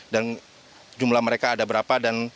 dan jumlah mereka ada berapa dan